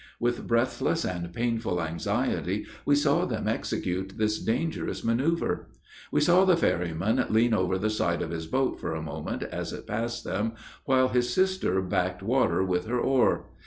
With breathless and painful anxiety we saw them execute this dangerous manoeuver. We saw the ferryman lean over the side of his boat, for a moment, as it passed them, while his sister backed water with her oar.